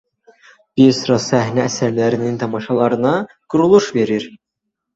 Bir sıra səhnə əsərlərinin tamaşalarına quruluş verir.